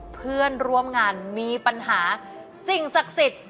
เพื่อนร่วมงานมีปัญหาสิ่งศักดิ์สิทธิ์